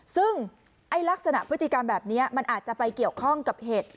ซึ่งลักษณะพฤติกรรมแบบนี้มันอาจจะไปเกี่ยวข้องกับเหตุ